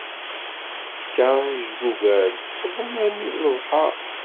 Tefka ijgugal, wwḍen armi d lebḥer.